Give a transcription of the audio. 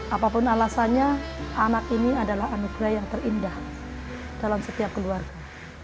apapun alasannya anak ini adalah anugerah yang terindah dalam setiap keluarga